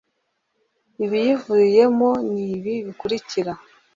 ibiyivuyemo ni ibi bikurikira